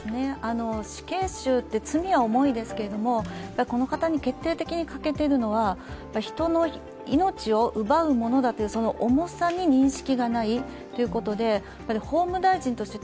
死刑囚って罪は重いですけどこの方に決定的に欠けてるのは人の命を奪うものだというその重さに認識がないということで、法務大臣として